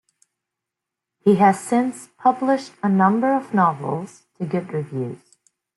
He has since published a number of novels to good reviews.